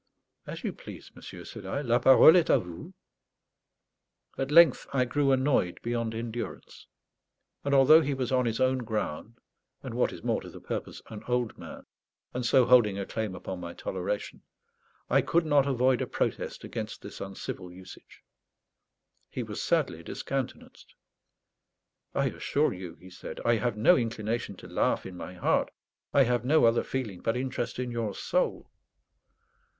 "As you please, monsieur," said I. "La parole est à vous." At length I grew annoyed beyond endurance; and although he was on his own ground, and, what is more to the purpose, an old man, and so holding a claim upon my toleration, I could not avoid a protest against this uncivil usage. He was sadly discountenanced. "I assure you," he said, "I have no inclination to laugh in my heart. I have no other feeling but interest in your soul."